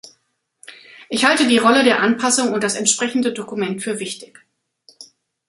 Ich halte die Rolle der Anpassung und das entsprechende Dokument für wichtig.